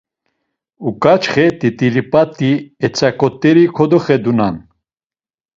Uǩaçxe t̆it̆ilip̌at̆i etzaǩot̆eri kodoxedunan.